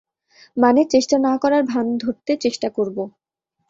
মানে, চেষ্টা না করার ভান ধরতে চেষ্টা করব।